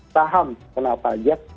saham kena pajak